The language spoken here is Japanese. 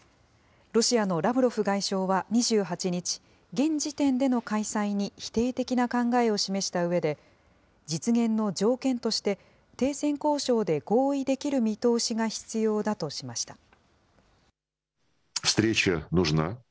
ロシアのラブロフ外相は２８日、現時点での開催に否定的な考えを示したうえで、実現の条件として、停戦交渉で合意できる見通しが必要だとしました。